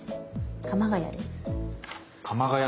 鎌ケ谷です。